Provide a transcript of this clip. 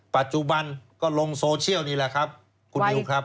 ปัจจุบันก็ลงโซเชียลนี้แหละครับ